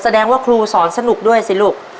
แสดงว่าครูสอนสนุกด้วยสิลูก